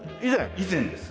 以前です。